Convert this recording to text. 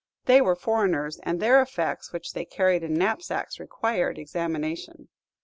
They were foreigners, and their effects, which they carried in knapsacks, required examination.